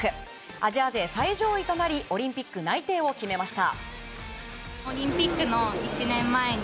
アジア勢最上位となりオリンピック内定を決めました。